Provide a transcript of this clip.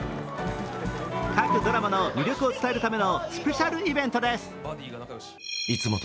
各ドラマの魅力を伝えるためのスペシャルイベントです。